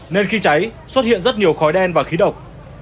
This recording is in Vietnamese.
nên khi cháy xuất hiện rất nhiều khói đen và khí độc